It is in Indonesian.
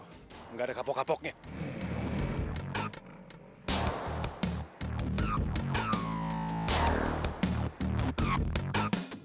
enggak ada kapok kapoknya